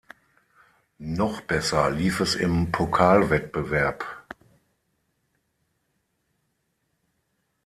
Noch besser lief es im Pokalwettbewerb.